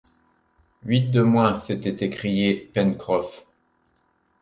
Huit de moins s’était écrié Pencroff